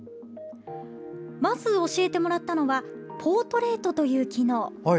まず教えてもらったのはポートレートという機能。